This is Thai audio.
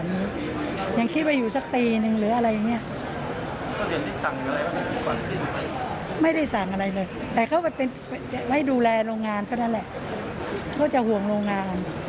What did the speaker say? ไม่รอไม่รู้อยู่เลยนะ